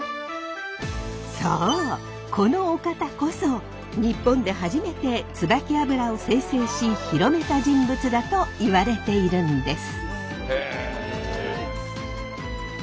このお方こそ日本で初めてつばき油を精製し広めた人物だといわれているんです。